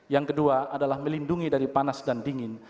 yang kedua adalah melindungi dari panas dan dingin